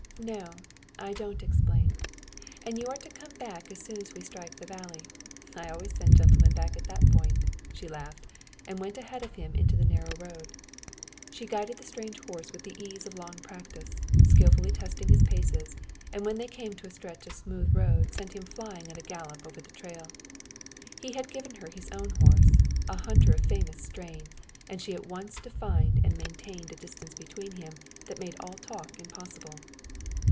"No; I don't explain; and you are to come back as soon as we strike the valley. I always send gentlemen back at that point," she laughed, and went ahead of him into the narrow road. She guided the strange horse with the ease of long practice, skilfully testing his paces, and when they came to a stretch of smooth road sent him flying at a gallop over the trail. He had given her his own horse, a hunter of famous strain, and she at once defined and maintained a distance between them that made talk impossible.